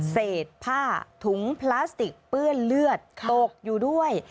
เศษผ้าถุงพลาสติกเปื้อนเลือดตกอยู่ด้วย